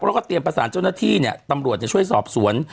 แล้วก็เตรียมประสานเจ้าหน้าที่เนี่ยตำรวจจะช่วยสอบสวน